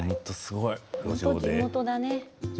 地元だね。